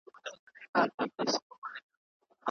مطالعه د بصیرت لامل کیږي.